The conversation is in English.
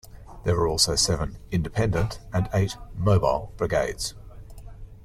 There were also seven "independent" and eight "mobile" brigades.